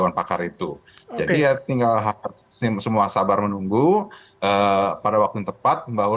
dan pak erlangga mengatakan dalam waktu beberapa bulan